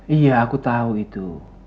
iya aku tahu itu